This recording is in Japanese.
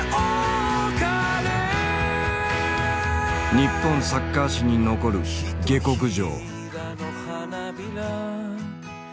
日本サッカー史に残る下克上。